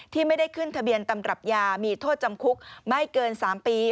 ที่ไม่ได้ขึ้นทะเบียนตำรับยามีโทษจำคุกไม่เกิน๓ปี